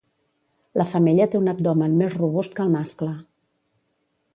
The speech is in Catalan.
La femella té un abdomen més robust que el mascle.